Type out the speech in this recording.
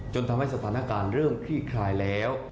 จนทำให้สถานการณ์เริ่มคลี่คลายแล้ว